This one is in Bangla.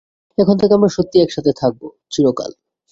এখন থেকে, আমরা সত্যিই একসাথে থাকবো চিরকাল।